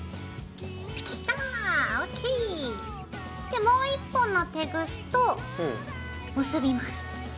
でもう１本のテグスと結びます。